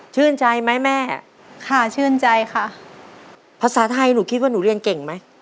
ชื่นใจไหมแม่ค่ะชื่นใจค่ะภาษาไทยหนูคิดว่าหนูเรียนเก่งไหม